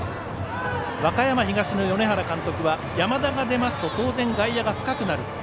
和歌山東の米原監督は山田が出ますと当然外野が深くなる。